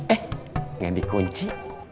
eh gak di kunci